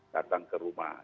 datang ke rumah